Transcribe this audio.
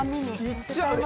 いっちゃう？